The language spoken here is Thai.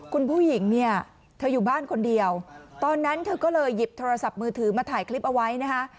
คุณผู้หญิงเนี่ยเธออยู่บ้านคนเดียวตอนนั้นเธอก็เลยหยิบโทรศัพท์มือถือมาถ่ายคลิปเอาไว้นะคะ